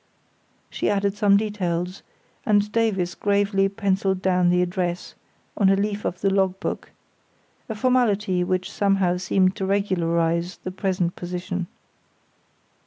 She added some details, and Davies gravely pencilled down the address on a leaf of the log book; a formality which somehow seemed to regularise the present position.